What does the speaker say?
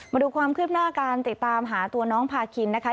มาดูความคืบหน้าการติดตามหาตัวน้องพาคินนะคะ